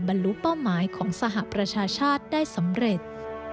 บรรลุเป้าหมายของสหประชาชาติได้สำเร็จ